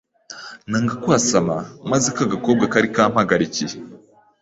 nanga kwasama maze ka gakobwa kari kampagarikiye